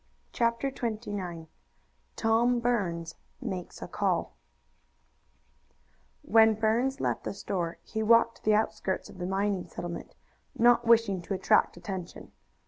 CHAPTER XXIX TOM BURNS MAKES A CALL When Burns left the store he walked to the outskirts of the mining settlement, not wishing to attract attention.